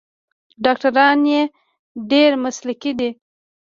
ډاکټران یې ډیر مسلکي دي.